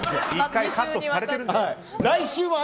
１回カットされてるので。